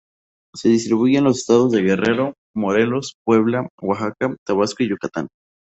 Se distribuye en los estados de Guerrero, Morelos, Puebla, Oaxaca, Tabasco y Yucatán.